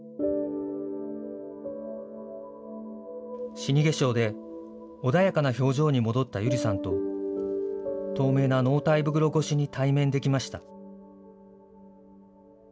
死に化粧で、穏やかな表情に戻った百合さんと、透明な納体袋越しに対面できました。